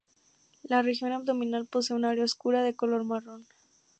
La región abdominal Posee un área oscura de color marrón.